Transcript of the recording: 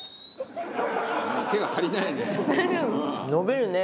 「手が足りないね」